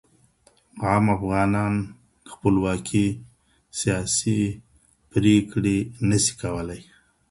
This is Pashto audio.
عام افغانان خپلواکي سیاسي پریکړي نه سي کولای.